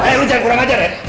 hei lu jangan kurang ajar ya